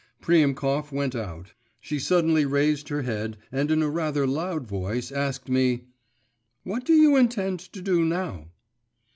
Priemkov went out. She suddenly raised her head and in a rather loud voice asked me 'What do you intend to do now?